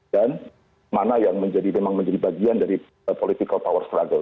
dan mana yang memang menjadi bagian dari political power struggle